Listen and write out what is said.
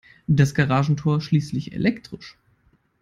Das Garagentor schließt sich elektrisch.